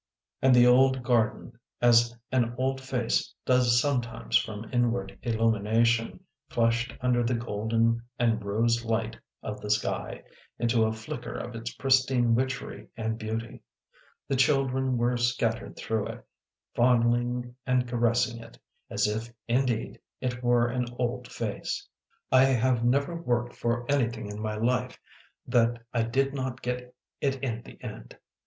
^And the old garden, as an old face does sometimes from inward illumination, flushed under the golden and rose light of the sky, into a flicker of its pristine witchery and beauty. The children were scat tered through it, fondling and caressing it, as if indeed it were an old face. ," I have never worked for anything in my life that I did not get it in the end."